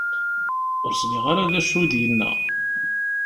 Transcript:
Ur sliɣ ara d acu i d-yenna.